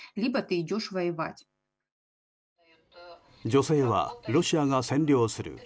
女性は、ロシアが占領する